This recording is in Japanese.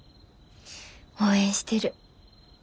応援してる。